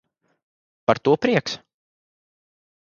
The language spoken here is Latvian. Par to prieks!